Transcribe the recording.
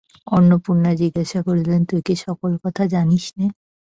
অন্নপূর্ণা জিজ্ঞাসা করিলেন, তুই কি সকল কথা জানিস নে।